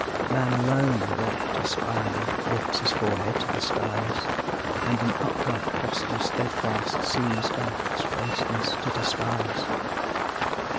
Man alone, erect, aspiring, lifts his forehead to the skies, And in upright posture steadfast seems earth's baseness to despise.